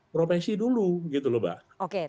profesi dulu gitu loh mbak